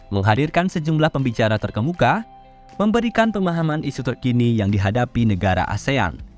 menghadirkan sejumlah pembicara terkemuka memberikan pemahaman isu terkini yang dihadapi negara asean